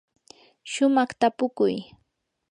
shumaq tapukuy.